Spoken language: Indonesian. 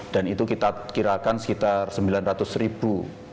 dan itu kita kirakan sekitar sembilan ratus ribu